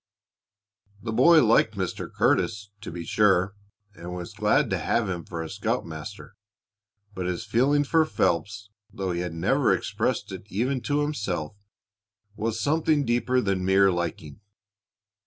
The boy liked Mr. Curtis, to be sure, and was glad to have him for a scoutmaster, but his feeling for Phelps, though he had never expressed it even to himself, was something deeper than mere liking.